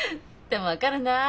でも分かるなあ。